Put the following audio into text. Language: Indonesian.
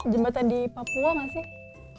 jembatan di papua nggak sih